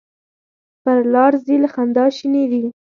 پر لار ځي له خندا شینې دي.